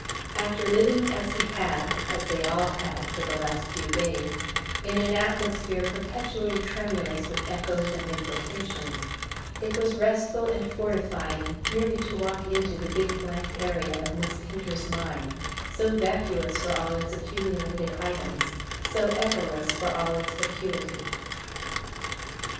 After living, as he had, as they all had, for the last few days, in an atmosphere perpetually tremulous with echoes and implications, it was restful and fortifying merely to walk into the big blank area of Miss Painter's mind, so vacuous for all its accumulated items, so echoless for all its vacuity.